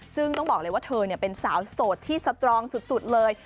ซึ่งต้องบอกเลยว่าเธอเป็นสาวโสดที่สตรองสุดเลย